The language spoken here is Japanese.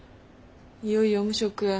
いよいよ無職や。